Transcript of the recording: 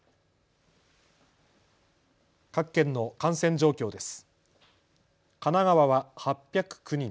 各県の感染状況です。